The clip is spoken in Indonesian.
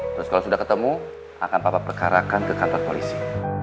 terus kalau sudah ketemu akan papa perkarakan ke kantor polisi